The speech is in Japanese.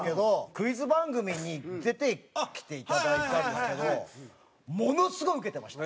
クイズ番組に出て来ていただいたんですけどものすごいウケてました。